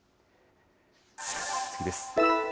次です。